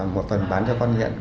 một phần bán cho con nghiện